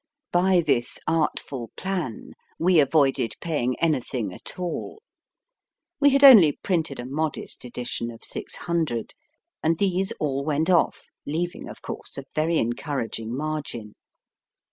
By this artful plan we avoided paying any thing at all. We had only printed a modest edition of 600, and these all went off, leaving, of course, a very encouraging margin.